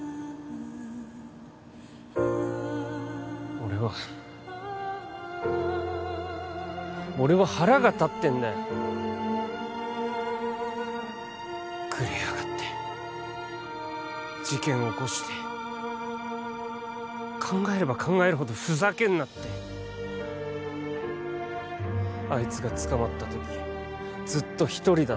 俺は俺は腹が立ってんだよグレやがって事件起こして考えれば考えるほど「ふざけんな」ってあいつが捕まった時「ずっと一人だった」